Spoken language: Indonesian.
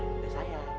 eh udah sayang